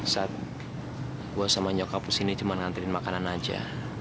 saat gue sama nyokap kesini cuma ngantriin makanan aja